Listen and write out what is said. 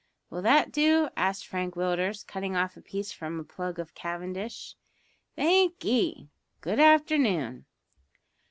"Will that do?" asked Frank Willders, cutting off a piece from a plug of cavendish. "Thank'ee. Good afternoon."